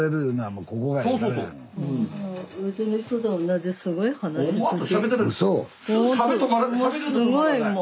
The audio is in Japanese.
もうすごいもう。